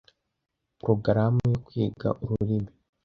Porogaramu yo kwiga ururimi,